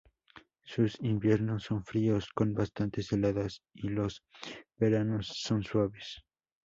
Sus inviernos son fríos con bastantes heladas y los veranos son suaves.